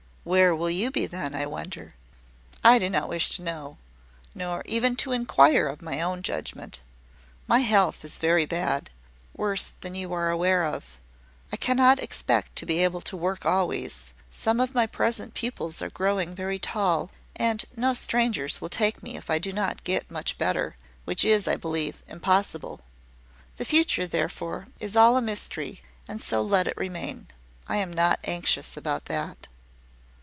"Where will you be then, I wonder?" "I do not wish to know, nor even to inquire of my own judgment. My health is very bad worse than you are aware of. I cannot expect to be able to work always; some of my present pupils are growing very tall; and no strangers will take me if I do not get much better; which is, I believe, impossible. The future, therefore, is all a mystery; and so let it remain. I am not anxious about that."